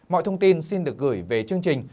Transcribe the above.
mọi thông tin xin được gửi về chương trình